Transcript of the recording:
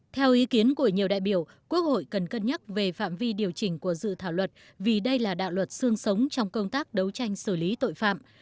theo ý kiến của nhiều đại biểu quốc hội cần cân nhắc về phạm vi điều chỉnh của dự thảo luật vì đây là đạo luật xương sống trong công tác đấu tranh xử lý tội phạm